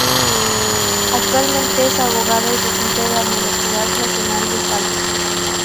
Actualmente es abogada y docente de la Universidad Nacional de Salta.